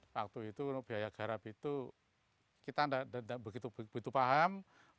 waktu itu biaya garap itu kita tidak begitu paham